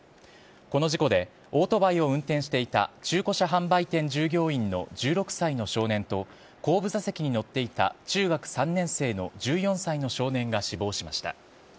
この事故でオートバイを運転していた中古車販売店従業員の１６歳の少年と、後部座席に乗っていた中学３年生の１４歳の少年が死亡しました。